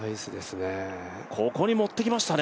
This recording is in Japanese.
ここに持ってきましたね。